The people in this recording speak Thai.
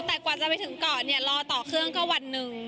แต่กว่าจะไปถึงก่อนเนี่ยรอต่อเครื่องก็วันหนึ่ง